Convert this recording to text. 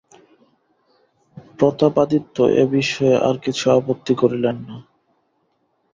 প্রতাপাদিত্য এ বিষয়ে আর কিছু আপত্তি করিলেন না।